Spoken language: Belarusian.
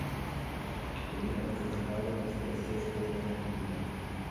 Яе зацікаўленасць расце з кожнай хвілінай.